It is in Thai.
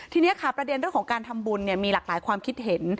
ทีนี้ค่ะประเด็นเรื่องของการทำบุญมีหลากหลายความคิดเห็น